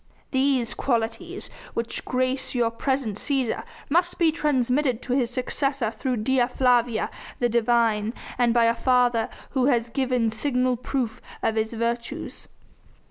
These qualities, which grace your present Cæsar, must be transmitted to his successor through Dea Flavia, the divine, and by a father who has given signal proof of his virtues.